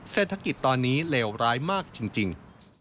เศรษฐกิจตอนนี้เลวร้ายมากจริง